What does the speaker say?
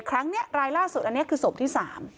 ครั้งนี้รายล่าสุดอันนี้คือศพที่๓